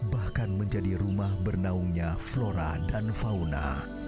bahkan menjadi rumah bernaungnya flora dan fauna